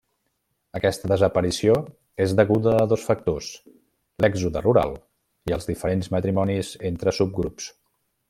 Aquesta desaparició és deguda a dos factors, l'èxode rural i els diferents matrimonis entra subgrups.